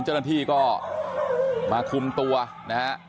เจ้าหน้าที่ก็มาคุมตัวนะฮะ